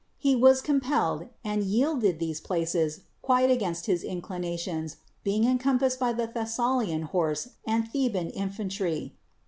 He was compelled, and yielded these places quite against his inclinations, being encompassed by the Thessalian horse and Theban infantry.